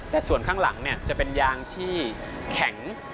แต่ส่วนข้างหลังจะเป็นยางที่แข็ง